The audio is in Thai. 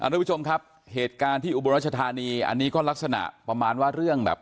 ทุกผู้ชมครับเหตุการณ์ที่อุบลรัชธานีอันนี้ก็ลักษณะประมาณว่าเรื่องแบบ